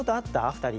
２人。